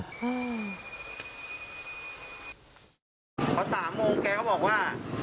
พอ๓โมงแกก็บอกว่า